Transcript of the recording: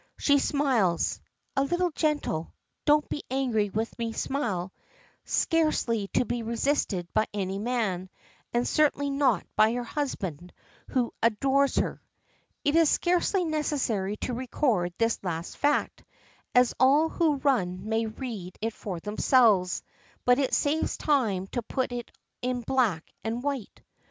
She smiles (a little, gentle, "don't be angry with me" smile, scarcely to be resisted by any man, and certainly not by her husband, who adores her). It is scarcely necessary to record this last fact, as all who run may read it for themselves, but it saves time to put it in black and white.